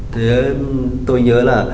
thế tôi nhớ là